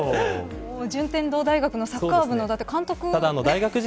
順天堂大学のサッカー部の監督ですもんね。